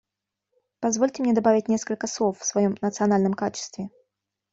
Позвольте мне добавить несколько слов в своем национальном качестве.